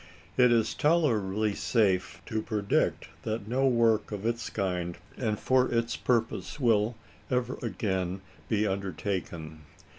" It is tolerably safe to predict that no work of its kind and for its purpose will ever again be undertaken.